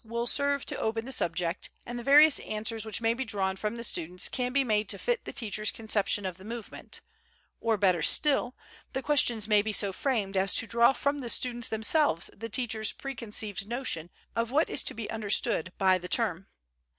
will serve to open the subject, and the various answers which may be drawn from the students can be made to fit the teacher's conception of the movement; or, better still, the questions may be so framed as to draw from the students themselves the teacher's preconceived notion of what is to be understood by the term.